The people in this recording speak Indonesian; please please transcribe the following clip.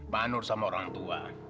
manur sama orang tua